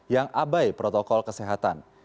yang abai protokol kesehatan